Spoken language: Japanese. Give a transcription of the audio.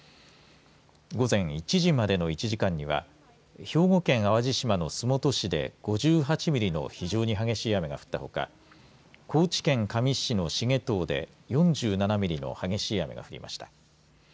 午前１時までの１時間には兵庫県淡路島の洲本市で５８ミリの非常に激しい雨が降ったほか高知県香美市の繁藤で４７ミリの激しい雨が降りました。